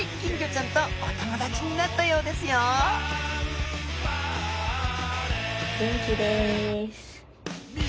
ちゃんとお友達になったようですよ元気です。